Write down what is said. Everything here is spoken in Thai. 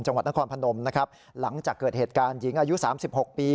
จังหวัดนครพนมนะครับหลังจากเกิดเหตุการณ์หญิงอายุสามสิบหกปี